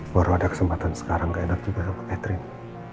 baru ada kesempatan sekarang gak enak juga sama catherine